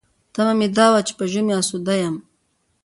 تمه مې دا وه چې په ژمي اسوده یم.